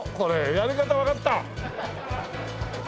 やり方わかった！